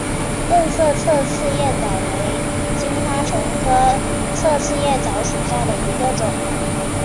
钝色侧刺叶蚤为金花虫科侧刺叶蚤属下的一个种。